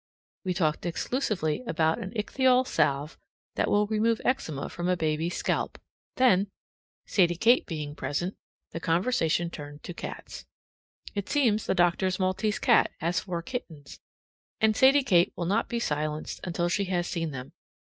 We talked exclusively about an ichthyol salve that will remove eczema from a baby's scalp; then, Sadie Kate being present, the conversation turned to cats. It seems that the doctor's Maltese cat has four kittens, and Sadie Kate will not be silenced until she has seen them.